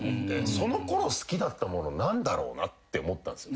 そのころ好きだったもの何だろうなって思ったんすよ